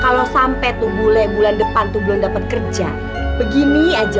kalau sampai tuh bule bulan depan tuh belum dapat kerja begini aja